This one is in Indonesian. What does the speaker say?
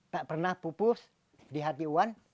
tak pernah pupus di hati uan